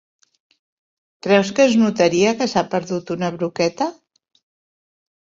Creus que es notaria que s'ha perdut una broqueta?